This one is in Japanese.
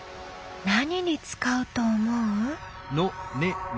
何に使うと思う？